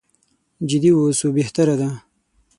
جدي واوسو بهتره ده.